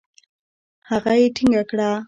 هغه يې ټينګه کړه.